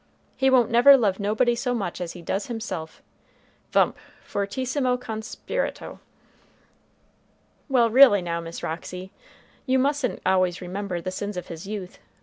"He won't never love nobody so much as he does himself," thump, fortissimo con spirito. "Well, really now, Miss Roxy, you mustn't always remember the sins of his youth.